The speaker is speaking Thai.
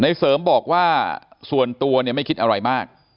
เสริมบอกว่าส่วนตัวเนี่ยไม่คิดอะไรมาก